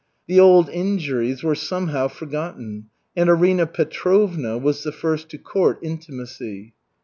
The old injuries were somehow forgotten, and Arina Petrovna was the first to court intimacy.